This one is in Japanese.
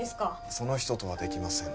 その人とはできません